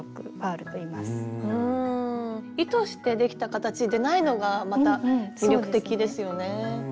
意図してできた形でないのがまた魅力的ですよね。